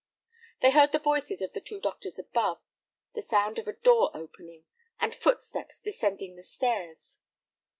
They heard the voices of the two doctors above, the sound of a door opening, and footsteps descending the stairs.